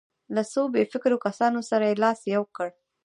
له څو بې فکرو کسانو سره یې لاس یو کړ.